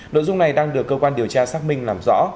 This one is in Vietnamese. nội dung này đang được cơ quan điều tra xác minh làm rõ